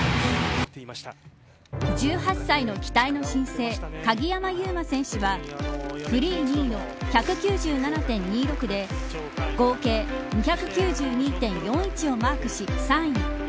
１８歳の期待の新星鍵山優真選手はフリー２位の１９７．２６で合計２９２．４１をマークし３位に。